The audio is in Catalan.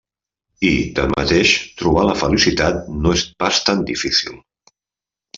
I, tanmateix, trobar la felicitat no és pas tan difícil.